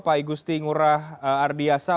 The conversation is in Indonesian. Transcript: pak igusti ngurah ardiasa